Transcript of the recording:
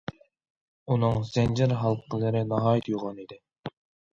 ئۇنىڭ زەنجىر- ھالقىلىرى ناھايىتى يوغان ئىدى.